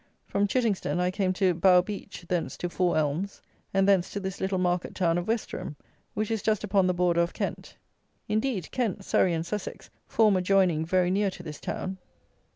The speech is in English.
From Chittingstone I came to Bough beach, thence to Four Elms, and thence to this little market town of Westerham, which is just upon the border of Kent. Indeed, Kent, Surrey, and Sussex form a joining very near to this town.